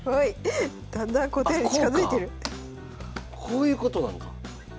こういうことなんか。